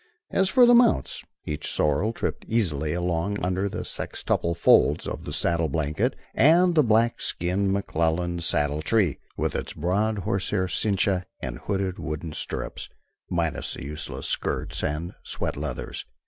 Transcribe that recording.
As for the mounts, each sorrel tripped easily along under the sextuple folds of the saddle blanket, and the black skinned McClellan saddle tree, with its broad horsehair cincha and hooded wooden stirrups, minus the useless skirts and sweat leathers.